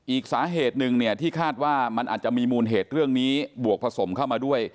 อีกสาเหตุหนึ่งเนี่ยที่คาดว่ามันอาจจะมีมูลเหตุเรื่องนี้บวกผสมเข้ามาด้วย